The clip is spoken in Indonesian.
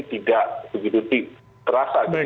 tidak begitu terasa